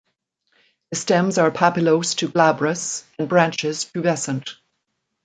The stems are papillose to glabrous and branches pubescent.